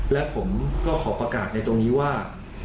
และผมก็ขอประกาศในตรงนี้ว่า